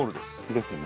ですね。